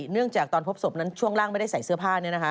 เนื่องจากตอนพบศพนั้นช่วงล่างไม่ได้ใส่เสื้อผ้า